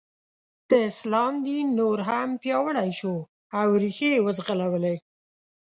د اسلام دین نور هم پیاوړی شو او ریښې یې وځغلولې.